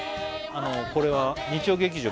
あのこれは日曜劇場